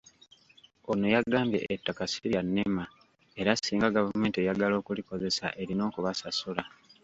Ono yagambye ettaka sirya Nema era singa gavumenti eyagala okulikozesa erina okubasasula.